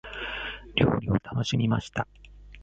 料理を楽しみました。